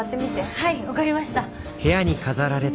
はい分かりました。